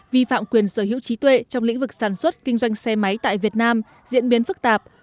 vi phạm quyền sở hữu trí tuệ trong lĩnh vực sản xuất kinh doanh xe máy tại việt nam diễn biến phức tạp